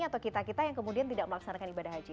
atau kita kita yang kemudian tidak melaksanakan ibadah haji